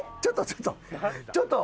ちょっとちょっと。